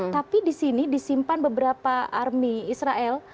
tapi di sini disimpan beberapa army israel